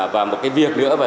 và một cái việc nữa